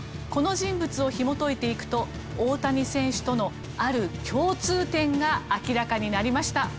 この人物をひもといていくと大谷選手とのある共通点が明らかになりました。